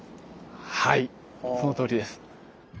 はいそのとおりです。